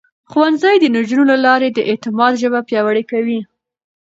ښوونځی د نجونو له لارې د اعتماد ژبه پياوړې کوي.